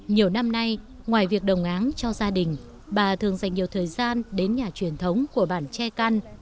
nhiều năm nay ngoài việc đồng áng cho gia đình bà thường dành nhiều thời gian đến nhà truyền thống của bản tre căn